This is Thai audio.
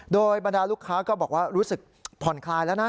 โดยบรรดาลูกค้าก็บอกว่ารู้สึกผ่อนคลายแล้วนะ